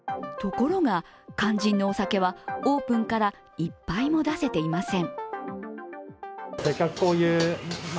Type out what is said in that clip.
ところが肝心のお酒はオープンから一杯も出せていません。